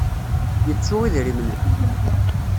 Yettu idrimen-nni.